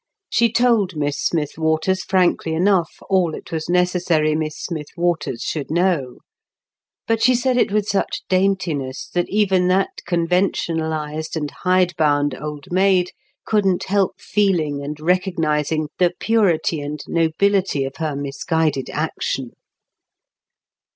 She told Miss Smith Waters frankly enough all it was necessary Miss Smith Waters should know; but she said it with such daintiness that even that conventionalised and hide bound old maid couldn't help feeling and recognising the purity and nobility of her misguided action.